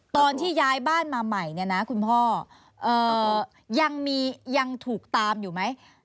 ตอนที่ย้ายบ้านมาใหม่เนี่ยนะคุณพ่อยังถูกตามอยู่ไหม